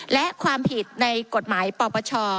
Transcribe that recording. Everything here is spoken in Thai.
และความผิดในกฎหมายปปช